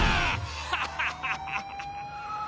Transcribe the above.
ハハハハッ！